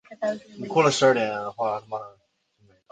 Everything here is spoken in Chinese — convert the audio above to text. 与完全摄影写真的不是一个概念。